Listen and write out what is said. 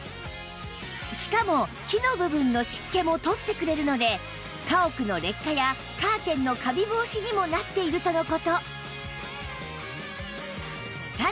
しかも木の部分の湿気も取ってくれるので家屋の劣化やカーテンのカビ防止にもなっているとの事